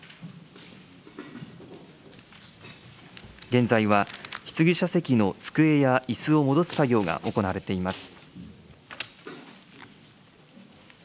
現在は、質疑者席の机やいすを戻す作業が行われています。